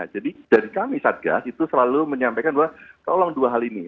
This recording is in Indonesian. jadi dari kami satgas itu selalu menyampaikan bahwa tolong dua hal ini